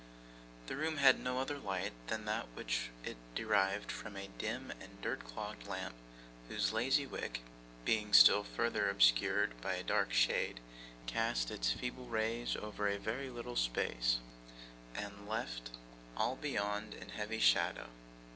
The room had no other light than that which it derived from a dim and dirt clogged lamp, whose lazy wick, being still further obscured by a dark shade, cast its feeble rays over a very little space, and left all beyond in heavy shadow.